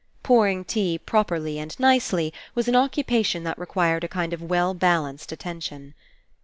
Pouring tea properly and nicely was an occupation that required a kind of well balanced attention.